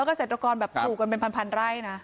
เกษตรกรกลุ่มแบบปลูกเป็นพันไร่นะ